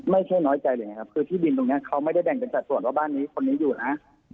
ไม่ใช่น้อยใจเลยนะครับคือที่ดินตรงนี้เขาไม่ได้แบ่งเป็นสัดส่วนว่าบ้านนี้คนนี้อยู่นะ